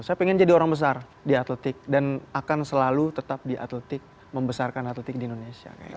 saya pengen jadi orang besar di atletik dan akan selalu tetap di atletik membesarkan atletik di indonesia